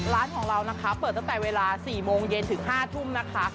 ร้านของเรานะคะเปิดตั้งแต่เวลา๔โมงเย็นถึง๕ทุ่มนะคะ